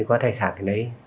và đi phía sau